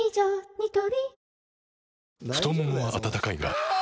ニトリ太ももは温かいがあ！